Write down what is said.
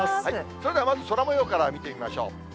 それではまず、空もようから見てみましょう。